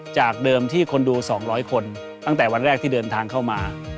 จากเดิมที่คนดู๒๐๐คนตั้งแต่วันแรกที่เดินทางเข้ามา